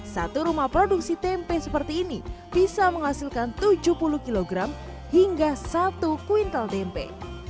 satu rumah produksi tempe seperti ini bisa menghasilkan tujuh puluh kg hingga satu kuintal tempe